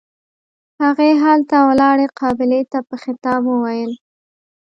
هغې هلته ولاړې قابلې ته په خطاب وويل.